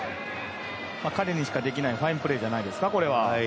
彼にしかできないファインプレーじゃないですかこれは。